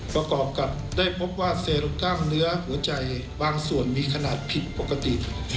ประกอบกับได้พบว่าเซลกล้ามเนื้อหัวใจบางส่วนมีขนาดผิดปกติ